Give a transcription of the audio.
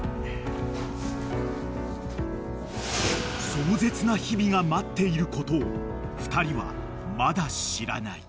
［壮絶な日々が待っていることを２人はまだ知らない］